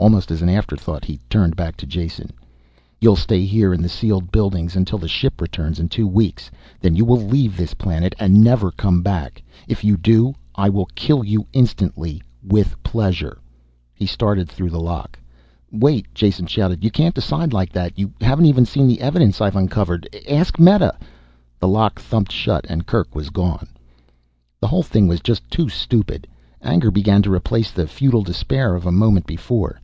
Almost as an afterthought he turned back to Jason. "You'll stay here in the sealed buildings until the ship returns in two weeks. Then you will leave this planet and never come back. If you do, I'll kill you instantly. With pleasure." He started through the lock. "Wait," Jason shouted. "You can't decide like that. You haven't even seen the evidence I've uncovered. Ask Meta " The lock thumped shut and Kerk was gone. The whole thing was just too stupid. Anger began to replace the futile despair of a moment before.